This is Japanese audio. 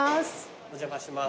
お邪魔します。